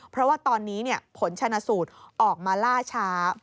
เพราะว่าตอนนี้ผลชนะสูตรออกมาล่าช้า